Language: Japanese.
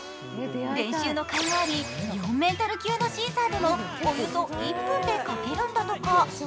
練習のかいがあり、４ｍ級のシーサーでもおよそ１分で描けるんだとか。